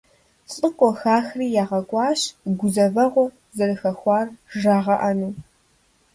ЛӀыкӀуэ хахри ягъэкӀуащ гузэвэгъуэ зэрыхэхуар жрагъэӀэну.